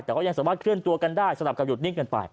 แต่ก็ยังสามารถเชื่อนตัวกันได้สำหรับกับหยุดนิ่ง